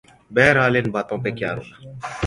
بہرحال ان باتوں پہ کیا رونا۔